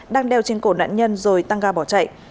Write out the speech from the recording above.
đang đeo trên cổ nạn nhân rồi tăng ga bỏ chạy